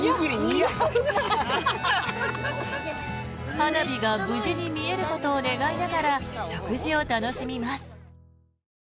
花火が無事に見えることを願いながら食事を楽しみます。